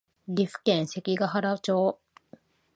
岐阜県関ケ原町